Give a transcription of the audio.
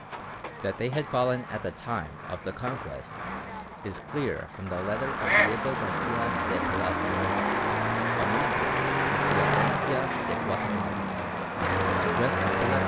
That they had fallen at the time of the Conquest is clear from the letter of Diego Garcia de Palacio, a member of the Audiencia de Guatemala, addressed to Philip II.